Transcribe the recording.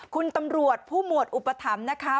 คุณตำรวจผู้หมวดอุปถัมภ์นะคะ